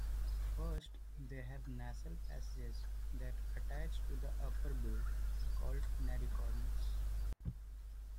First, they have nasal passages that attach to the upper bill called naricorns.